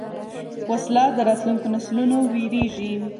وسله د راتلونکو نسلونو وېرېږي